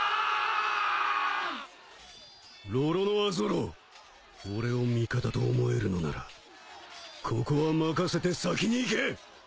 ロロノア・ゾロ俺を味方と思えるのならここは任せて先に行け！